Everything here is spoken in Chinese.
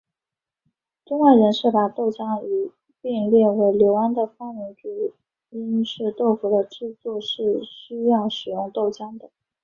中外人士把豆浆一拼列为刘安的发明主因是豆腐的制作是需要使用豆浆的。